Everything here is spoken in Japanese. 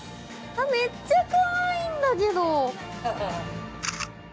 めっちゃかわいいんだけど！